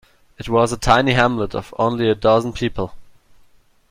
It was a tiny hamlet of only a dozen people.